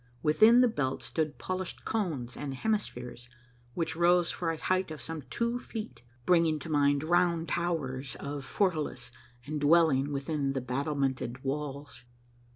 Within the belt stood polished cones and hemispheres, which rose for a height of some two feet, bringing to mind round towers of fortalice and dwelling within battlemented walls.